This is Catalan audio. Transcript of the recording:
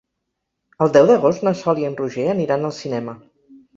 El deu d'agost na Sol i en Roger aniran al cinema.